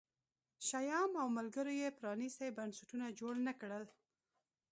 شیام او ملګرو یې پرانیستي بنسټونه جوړ نه کړل